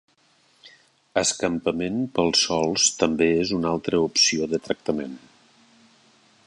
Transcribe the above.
Escampament pels sòls també és una altra opció de tractament.